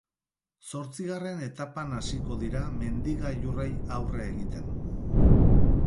Zortzigarren etapan hasiko dira mendi gailurrei aurre egiten.